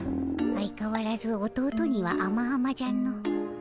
相かわらず弟にはあまあまじゃの。